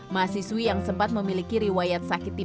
mahasiswi yang sempat memiliki riwayat sakit tipe tiga